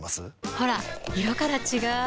ほら色から違う！